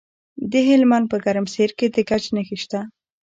د هلمند په ګرمسیر کې د ګچ نښې شته.